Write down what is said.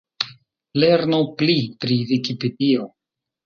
Lernu pli pri Vikipedio.